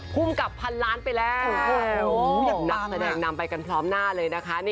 ภูมิกับพันล้านไปแล้วอย่างนักแสดงนำไปกันพร้อมหน้าเลยนะคะ